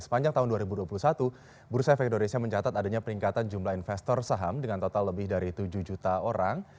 sepanjang tahun dua ribu dua puluh satu bursa efek indonesia mencatat adanya peningkatan jumlah investor saham dengan total lebih dari tujuh juta orang